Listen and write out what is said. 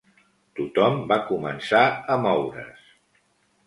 Tothom va començar a moure's.